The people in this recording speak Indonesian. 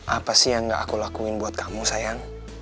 apa sih yang gak aku lakuin buat kamu sayang